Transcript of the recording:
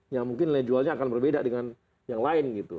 yang mungkin nilai jualnya akan berbeda dengan yang lain gitu